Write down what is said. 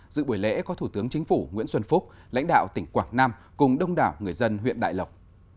dự buổi lễ có thủ tướng chính phủ nguyễn xuân phúc lãnh đạo tỉnh quảng nam cùng đông đảo người dân huyện đại lộc